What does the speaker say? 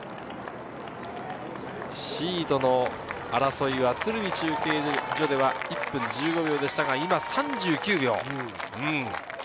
シードの争いは鶴見中継所では１分１５秒でしたが、今は３９秒。